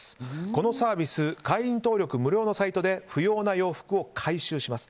このサービス会員登録無料のサイトで不要な洋服を回収します。